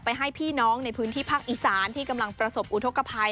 ให้พี่น้องในพื้นที่ภาคอีสานที่กำลังประสบอุทธกภัย